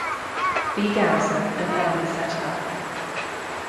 B. Garrison, an early settler.